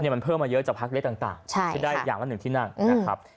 เนี่ยมันเพิ่มมาเยอะจากพักเล็กต่างใช่ค่ะจะได้อย่างละหนึ่งที่นั่งนะครับ